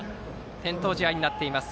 点灯試合になっています。